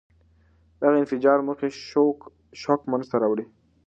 دغه انفجار موجي شوک منځته راوړي.